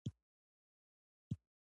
بشر د ټولو انسانانو په معنا دی.